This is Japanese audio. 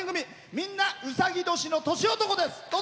みんな、うさぎ年の年男です！